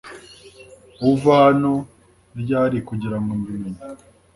Uva hano ryari kugirango mbi menye